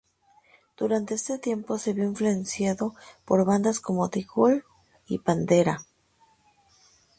Durante este tiempo se vio influenciado por bandas como The Cure y Pantera.